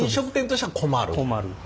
困る。